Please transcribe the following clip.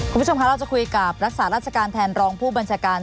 คุณผู้ชมคะเราจะคุยกับรักษาราชการแทนรองผู้บัญชาการ